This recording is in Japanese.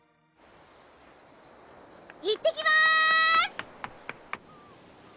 いってきます！